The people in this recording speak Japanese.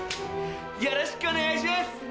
よろしくお願いします！